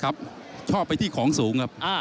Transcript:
ชอบไปที่ของสูงครับ